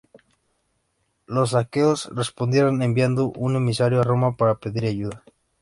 Los aqueos respondieron enviando un emisario a Roma para pedir ayuda.